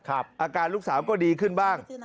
อาการลูกสาวก็ดีขึ้นบ้าง